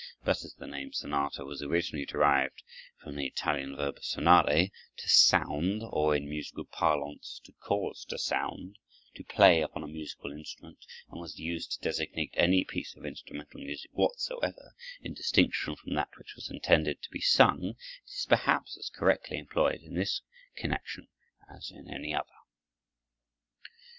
But as the name sonata was originally derived from the Italian verb sonare, to sound, or, in musical parlance, to cause to sound, to play upon a musical instrument, and was used to designate any piece of instrumental music whatsoever, in distinction from that which was intended to be sung, it is perhaps as correctly employed in this connection as in any other.